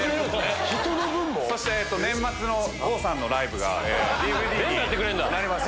人の分も⁉そして年末の郷さんのライブがＤＶＤになります。